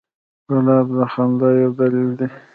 ګلاب د خندا یو دلیل دی.